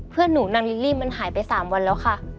เพื่อนหนูนางลิลลี่มันหายไป๓วันแล้วค่ะ